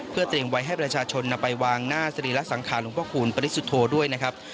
เพื่อเตรียมไว้ให้ประชาชนนำไปวางหน้าสรีระสังขารหลวงพระคูณปริสุทธโธด้วยนะครับ